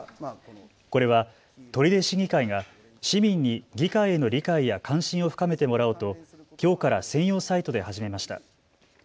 これは取手市議会が市民に議会への理解や関心を深めてもらおうときょうから専用サイトで始めました。